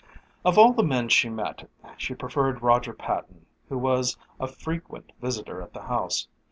Of all the men she met she preferred Roger Patton, who was a frequent visitor at the house.